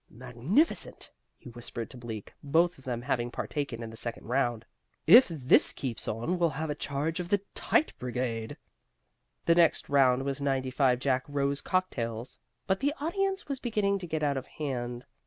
"Magnificent!" he whispered to Bleak, both of them having partaken in the second round. "If this keeps on we'll have a charge of the tight brigade." The next round was ninety five Jack Rose cocktails, but the audience was beginning to get out of hand.